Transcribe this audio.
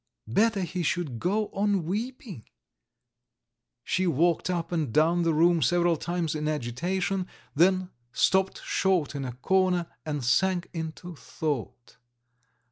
Better he should go on weeping! She walked up and down the room several times in agitation, then stopped short in a corner and sank into thought.